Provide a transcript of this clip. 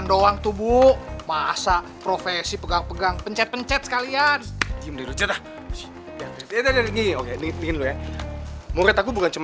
tunggu tunggu tunggu tunggu